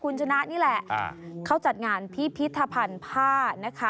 คุณชนะนี่แหละเขาจัดงานพิพิธภัณฑ์ผ้านะคะ